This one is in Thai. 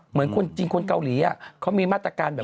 เหมือนคนจริงคนเกาหลีเขามีมาตรการแบบ